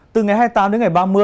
từ ngày hai mươi tám đến ngày ba mươi